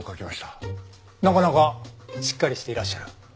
なかなかしっかりしていらっしゃる。